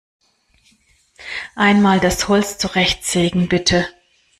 Einmal das Holz zurechtsägen, bitte!